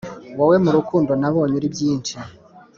wowe mu rukundo nabonye uri byinshi